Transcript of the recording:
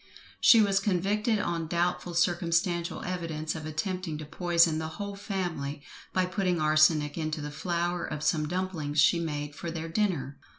She was convicted on doubtful circumstantial evidence of attempting to poison the whole family, by putting arsenic into the flour of some dumplings she made for their dinner.